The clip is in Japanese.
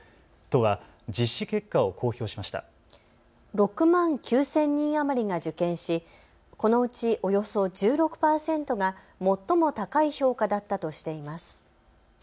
６万９０００人余りが受験しこのうちおよそ１６％が最も高い評価だったとしています。